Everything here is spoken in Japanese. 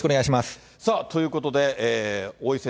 さあ、ということで王位戦